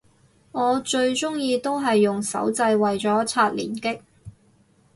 我最鍾意都係用手掣為咗刷連擊